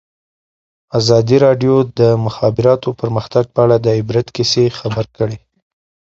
ازادي راډیو د د مخابراتو پرمختګ په اړه د عبرت کیسې خبر کړي.